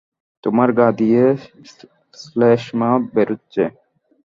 তোমার গা দিয়ে শ্লেষ্মা বেরোচ্ছে।